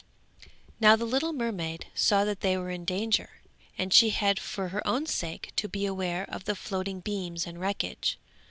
Now the little mermaid saw that they were in danger, and she had for her own sake to beware of the floating beams and wreckage.